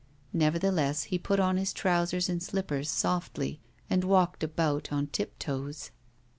Nevertheless he put on his trousers and slippers softly, and walked about on tiptoes.